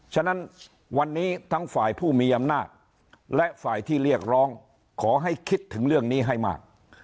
ฉะนั้นวันนี้ทั้งฝ่ายผู้มีอำนาจและฝ่ายที่เรียกร้องขอให้คิดถึงเรื่องนี้ให้มาก